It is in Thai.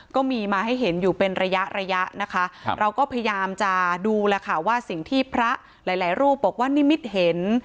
ก็มีมาให้เห็นอยู่เป็นระยะระยะนะคะเราก็พยายามจะดูแล้วค่ะว่าสิ่งที่พระหลายหลายรูปบอกว่านิมิตเห็น